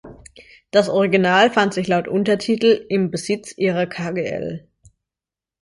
Das Original fand sich laut Untertitel „Im Besitz Ihrer Kgl.